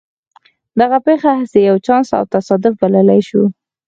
دغه پېښه هسې يو چانس او تصادف بللای شو.